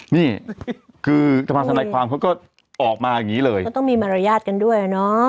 นี่คือสภาธนายความเขาก็ออกมาอย่างนี้เลยก็ต้องมีมารยาทกันด้วยอ่ะเนอะ